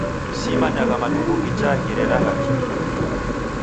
Simanyagha matuku ghichagha ghireda kihi?